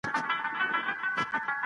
دا مخ ته حساب دئ.